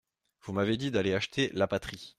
Vous m’avez dit d’aller acheter la Patrie.